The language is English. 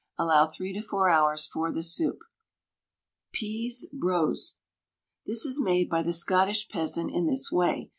Allow 3 to 4 hours for the soup. PEASE BROSE. This is made by the Scottish peasant in this way.